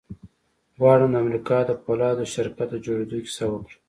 غواړم د امريکا د پولادو شرکت د جوړېدو کيسه وکړم.